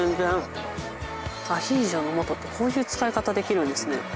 アヒージョの素ってこういう使い方できるんですね。